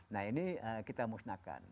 nah ini kita musnahkan